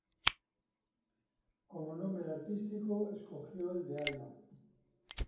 Como nombre artístico escogió el de Alma.